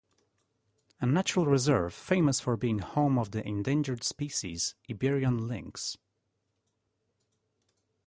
A natural reserve famous for being home of the endangered species Iberian lynx.